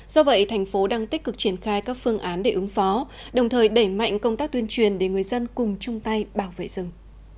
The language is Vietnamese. do vậy thành phố đang tích cực triển khai các phương án để ứng phó đồng thời đẩy mạnh công tác tuyên truyền để người dân cùng chung tay bảo vệ rừng